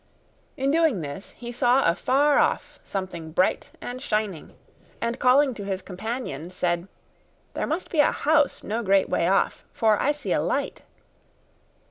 In doing this, he saw afar off something bright and shining and calling to his companions said, 'There must be a house no great way off, for I see a light.